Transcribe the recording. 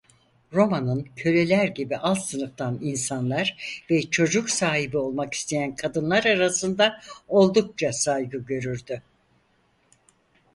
Romanın köleler gibi alt sınıftan insanlar ve çocuk sahibi olmak isteyen kadınlar arasında oldukça saygı görürdü.